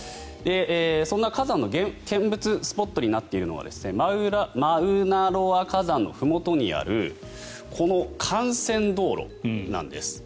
そんな火山の見物スポットになっているのがマウナロア火山のふもとにあるこの幹線道路なんです。